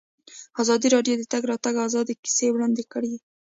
ازادي راډیو د د تګ راتګ ازادي کیسې وړاندې کړي.